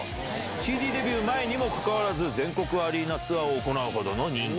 ＣＤデビュー前にもかかわらず、全国アリーナツアーを行うほどの人気。